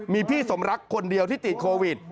มีพี่สมรักคนเดียวที่ติดโควิด